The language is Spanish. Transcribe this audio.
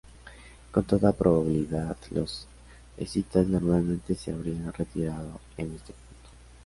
Con toda probabilidad los escitas normalmente se habrían retirado en este punto.